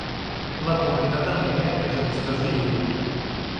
La comunitat en línia és amistosa i útil.